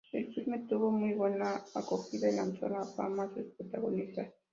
El filme tuvo muy buena acogida y lanzó a la fama a sus protagonistas.